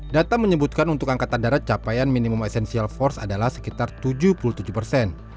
data menyebutkan untuk angkatan darat capaian minimum essential force adalah sekitar tujuh puluh tujuh persen